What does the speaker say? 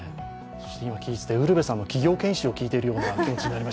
ウルヴェさんの企業研修を聞いているような。